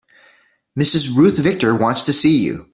Mrs. Ruth Victor wants to see you.